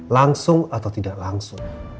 langsung atau tidak langsung